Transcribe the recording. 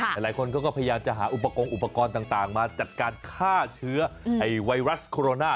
หลายคนก็พยายามจะหาอุปกรณ์อุปกรณ์ต่างมาจัดการฆ่าเชื้อไวรัสโคโรนา